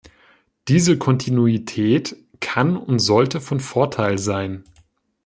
Diese Kontinuität kann und sollte von Vorteil sein.